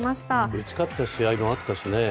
打ち勝った試合もあったしね。